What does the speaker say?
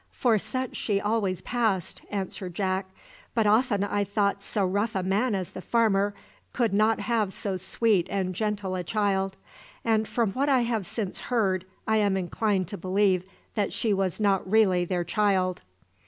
"For such she always passed," answered Jack; "but often I thought so rough a man as the farmer could not have so sweet and gentle a child; and from what I have since heard, I am inclined to believe that she was not really their child."